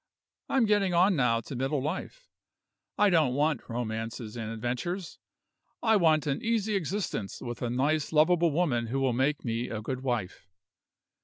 I'm getting on now to middle life. I don't want romances and adventures I want an easy existence with a nice lovable woman who will make me a good wife.